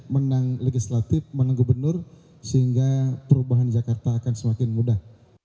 menang legislatif menang gubernur sehingga perubahan jakarta akan semakin mudah